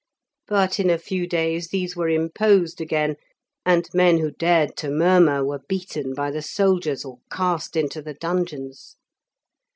But in a few days these were imposed again, and men who dared to murmur were beaten by the soldiers, or cast into the dungeons.